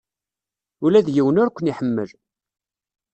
Ula d yiwen ur ken-iḥemmel.